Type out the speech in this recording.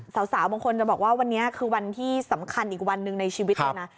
สาวบางคนจะบอกว่าวันนี้คือวันที่สำคัญอีกวันหนึ่งในชีวิตเลยนะ